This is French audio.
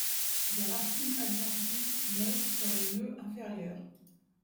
Des racines adventives naissent sur les nœuds inférieurs.